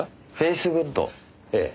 ええ。